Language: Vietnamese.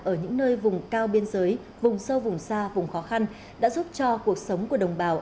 ở những nơi vùng cao biên giới vùng sâu vùng xa vùng khó khăn đã giúp cho cuộc sống của đồng bào